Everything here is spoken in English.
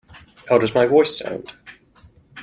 How does my voice sound?